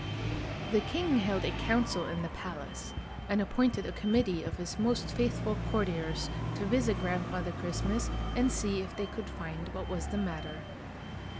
The king held a council in the palace, and appointed a committee of his most faithful courtiers to. visit Grandfather Christmas, and see if they could find what was the matter.